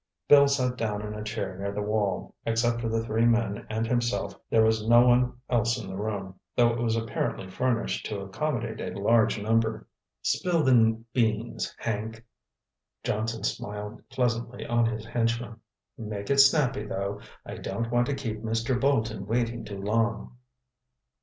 Bill sat down in a chair near the wall. Except for the three men and himself, there was no one else in the room, though it was apparently furnished to accommodate a large number. "Spill the beans, Hank," Johnson smiled pleasantly on his henchman. "Make it snappy, though. I don't want to keep Mr. Bolton waiting too long."